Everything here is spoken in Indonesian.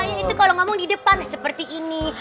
ya itu kalau ngomong di depan seperti ini